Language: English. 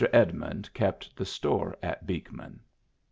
Edmund kept the store at Beekman.